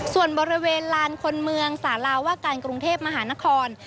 ส่วนบริเวณลานคนเมืองสาราว่าการกรุงเทพมหานคร